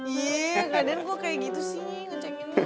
iya kak dean gue kayak gitu sih ngecekin